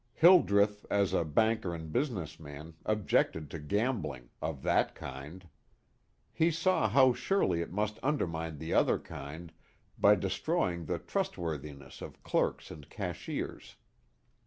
Hildreth, as a banker and business man, objected to gambling of that kind. He saw how surely it must undermine the other kind by destroying the trustworthiness of clerks and cashiers.